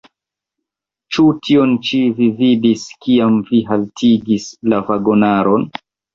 Ĉu tion ĉi vi vidis, kiam vi haltigis la vagonaron?